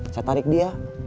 saya tarik dia